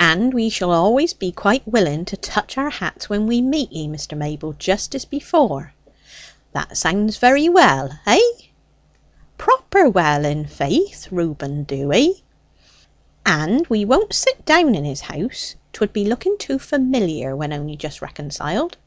And we shall always be quite willing to touch our hats when we meet ye, Mr. Mayble, just as before.' That sounds very well? Hey?" "Proper well, in faith, Reuben Dewy." "And we won't sit down in his house; 'twould be looking too familiar when only just reconciled?"